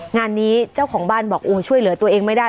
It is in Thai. งานนี้เจ้าของบ้านบอกช่วยเหลือตัวเองไม่ได้